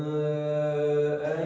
apa yang kita lakukan